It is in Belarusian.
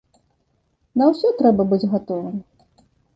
На ўсё трэба быць гатовым.